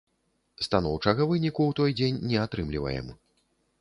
Станоўчага выніку ў той дзень не атрымліваем.